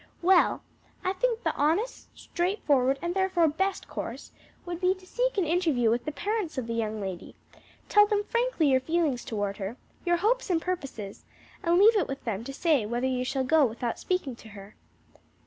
"Well, I think the honest, straightforward, and therefore best course, would be to seek an interview with the parents of the young lady, tell them frankly your feelings toward her, your hopes and purposes, and leave it with them to say whether you shall go without speaking to her."